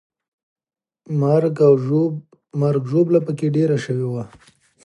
مرګ او ژوبله به پکې ډېره سوې وه.